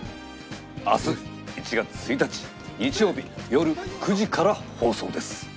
明日１月１日日曜日よる９時から放送です。